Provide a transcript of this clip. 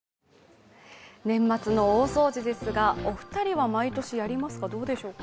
年末の大掃除ですが、お二人は毎年やりますか？